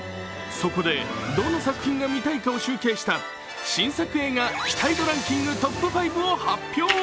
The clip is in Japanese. そこで、どの作品が見たいかを集計した新作映画期待度ランキングトップ５を発表。